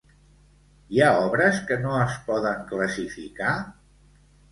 Hi ha obres que no es poden classificar?